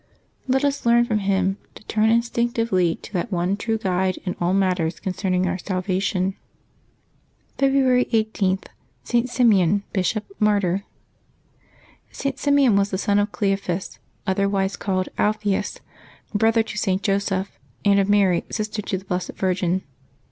Let us learn from him to turn instinc tively to that one true guide in all matters concerning our salvation. Febriiary i8.— ST. SIMEON, Bishop, Martyr. @T. Simeon was the son of Cleophas, otherwise called Alpheus, brother to St. Joseph, and of Mary, sister to the Blessed Virgin.